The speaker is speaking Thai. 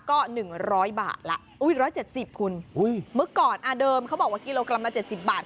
ก็หนึ่งร้อยบาทละอุ้ยร้อยเจ็ดสิบคุณอุ้ยเมื่อก่อนอ่าเดิมเขาบอกว่ากิโลกรัมละเจ็ดสิบบาท